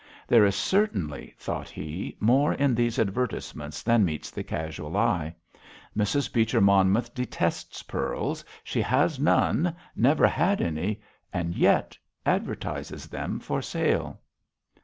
"There is certainly," thought he, "more in these advertisements than meets the casual eye. Mrs. Beecher Monmouth detests pearls, she has none, never had any—and yet advertises them for sale!"